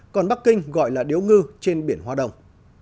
còn bắc kinh gọi là điếu ngư trên biển hoa đồng